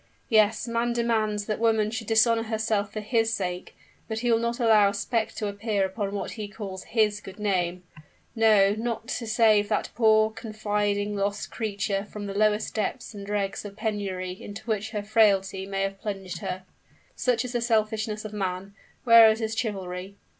Yes, man demands that woman should dishonor herself for his sake; but he will not allow a speck to appear upon what he calls his good name no, not to save that poor, confiding, lost creature from the lowest depths and dregs of penury into which her frailty may have plunged her! Such is the selfishness of man! Where is his chivalry?